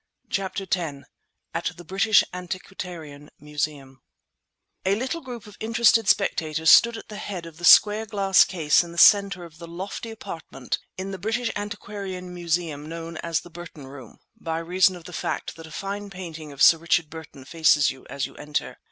CHAPTER X AT THE BRITISH ANTIQUARIAN MUSEUM A little group of interested spectators stood at the head of the square glass case in the centre of the lofty apartment in the British Antiquarian Museum known as the Burton Room (by reason of the fact that a fine painting of Sir Richard Burton faces you as you enter).